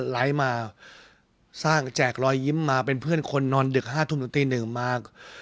ไลฟ์มาสร้างแจกรอยยิ้มมาเป็นเพื่อนคนนนดึกห้าทุ่มสุดทีหนึ่งมา